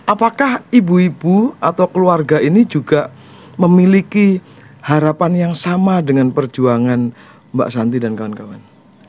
apakah ibu ibu atau keluarga ini juga memiliki harapan yang sama dengan perjuangan mbak santi dan kawan kawan